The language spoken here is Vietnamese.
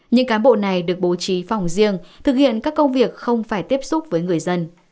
những cán bộ này được bố trí phòng riêng thực hiện các công việc không phải tiếp xúc với người dân